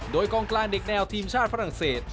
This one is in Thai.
โดยกองกลางเด็กแนวทีมชาติฝรั่งเศส